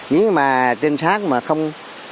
nhưng mà trinh sát mà không